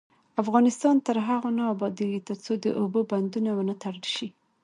افغانستان تر هغو نه ابادیږي، ترڅو د اوبو بندونه ونه تړل شي.